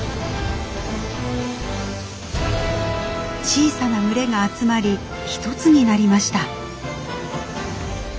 小さな群れが集まり一つになりました。